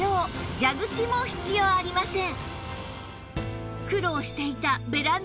蛇口も必要ありません